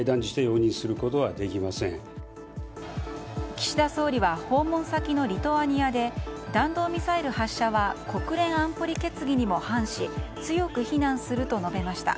岸田総理は訪問先のリトアニアで弾道ミサイル発射は国連安保理決議にも反し強く非難すると述べました。